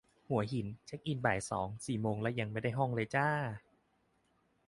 หัวหิน เช็คอินบ่ายสอง สี่โมงแล้วยังไม่ได้ห้องเลยจร้า